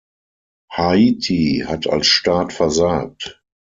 Haiti hat als Staat versagt.